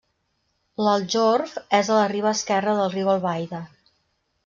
L'Aljorf és a la riba esquerra del riu Albaida.